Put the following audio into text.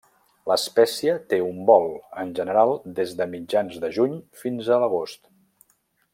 L'espècie té un vol, en general des de mitjans de juny fins a agost.